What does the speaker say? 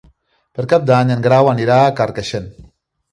Per Cap d'Any en Grau anirà a Carcaixent.